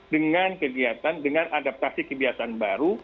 dengan kegiatan dengan adaptasi kebiasaan baru